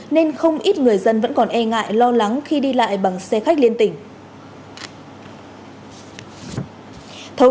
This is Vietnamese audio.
nên không ít người dân vẫn còn e ngại lo lắng khi đi lại bằng xe khách liên tỉnh